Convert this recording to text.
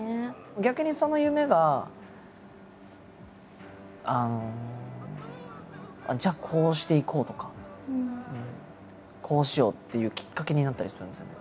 逆にその夢がじゃあこうしていこうとかこうしようっていうきっかけになったりするんですよね。